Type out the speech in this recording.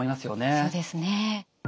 そうですね。